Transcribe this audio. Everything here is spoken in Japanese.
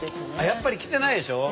やっぱり来てないでしょ？